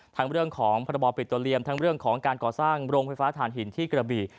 ทั้งเรื่องของพระบอปปิโตเรียมทั้งเรื่องของการก่อสร้างโรงไฟฟ้าฐานหินที่กระบี่